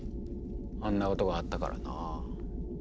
あんなことがあったからなぁ。